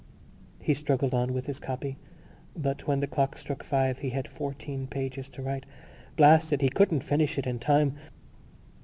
He struggled on with his copy, but when the clock struck five he had still fourteen pages to write. Blast it! He couldn't finish it in time.